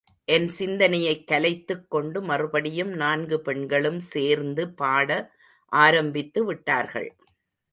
என் சிந்தனையைக் கலைத்துக் கொண்டு மறுபடியும் நான்கு பெண்களும் சேர்ந்து பாட ஆரம்பித்து விட்டார்கள்.